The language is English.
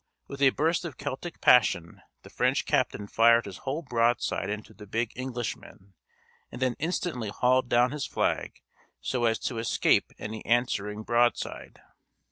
With a burst of Celtic passion the French captain fired his whole broadside into the big Englishman, and then instantly hauled down his flag so as to escape any answering broadside!